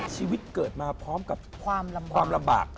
ชีวิตเกิดมาพร้อมกับความลำบาก